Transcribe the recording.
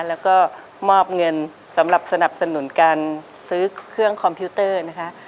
แล้วก็มอบเงินสำหรับสนับสนุนการซื้อเครื่องคอมพิวเตอร์นะคะ